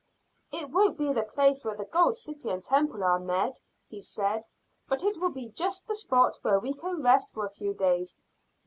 "It won't be the place where the gold city and temple are, Ned," he said; "but it will be just the spot where we can rest for a few days."